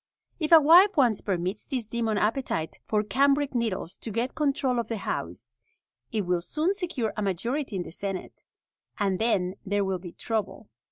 If a wife once permits this demon appetite for cambric needles to get control of the house, it will soon secure a majority in the senate, and then there will be trouble.